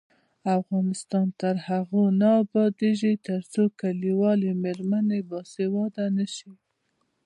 افغانستان تر هغو نه ابادیږي، ترڅو کلیوالې میرمنې باسواده نشي.